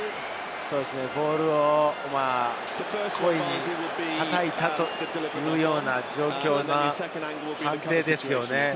ボールを故意に叩いたというような状況の判定ですね。